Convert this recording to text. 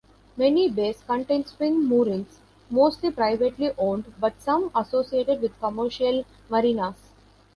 Many bays contain swing moorings, mostly privately owned, but some associated with commercial marinas.